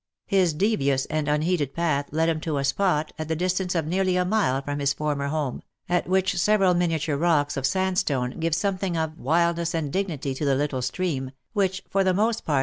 His devious and unheeded path led him to a spot, at the distance of nearly a mile from his former home, at which several miniature rocks of sandstone give something of wildness and dignity to the little stream, which for the most part